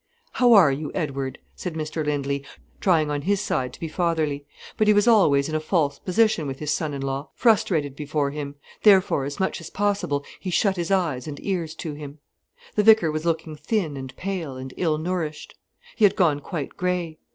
"How are you, Edward?" said Mr Lindley, trying on his side to be fatherly. But he was always in a false position with his son in law, frustrated before him, therefore, as much as possible, he shut his eyes and ears to him. The vicar was looking thin and pale and ill nourished. He had gone quite grey.